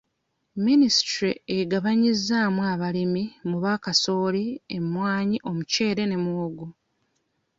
Minisitule egabanyizzaamu abalimi mu ba kasooli, emmwanyi, omuceere ne muwogo.